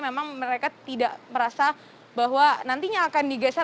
memang mereka tidak merasa bahwa nantinya akan digeser